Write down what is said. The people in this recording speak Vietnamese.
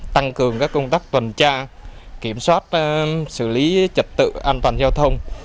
tăng cường các công tác tuần tra kiểm soát xử lý trật tự an toàn giao thông